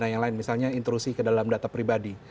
dan yang lain misalnya intrusi ke dalam data pribadi